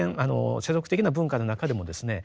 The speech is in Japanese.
世俗的な文化の中でもですね